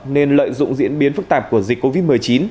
nên lợi dụng diễn biến phức tạp của dịch covid một mươi chín